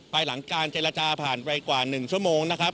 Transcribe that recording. หลังการเจรจาผ่านไปกว่า๑ชั่วโมงนะครับ